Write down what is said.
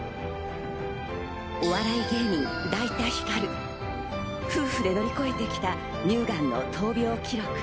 お笑い芸人・だいたひかる、夫婦で乗り越えてきた乳がんの闘病記録。